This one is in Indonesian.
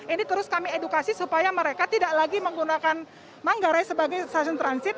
ini terus kami edukasi supaya mereka tidak lagi menggunakan manggarai sebagai stasiun transit